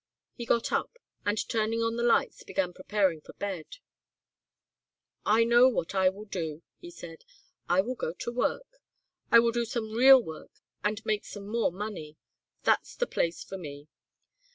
He got up and turning on the lights began preparing for bed. "I know what I will do," he said, "I will go to work. I will do some real work and make some more money. That's the place for me."